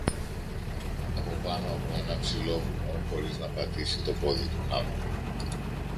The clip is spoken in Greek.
από πάνω από ένα ψηλό βουνό, χωρίς να πατήσει το πόδι του χάμω.